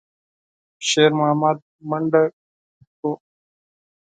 شېرمحمد منډه کړه.